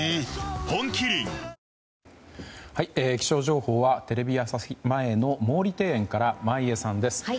本麒麟気象情報はテレビ朝日前の毛利庭園から眞家さんです。